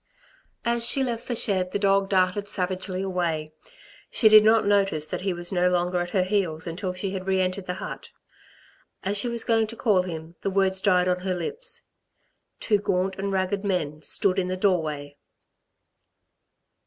As she left the shed the dog darted savagely away. She did not notice that he was no longer at her heels until she had re entered the hut. As she was going to call him, the words died on her lips. Two gaunt and ragged men stood in the doorway!